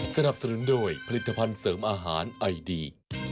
สนับสนุนโดยผลิตภัณฑ์เสริมอาหารไอดี